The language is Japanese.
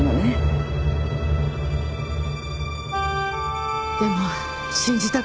でも信じたくなかった。